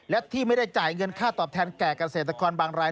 และที่ไม่ได้จ่ายเงินค่าตอบแทนแก่เกษตรกรบางราย